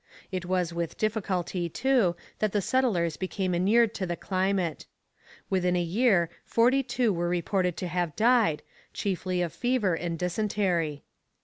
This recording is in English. It was with difficulty, too, that the settlers became inured to the climate. Within a year forty two are reported to have died, chiefly of fever and dysentery.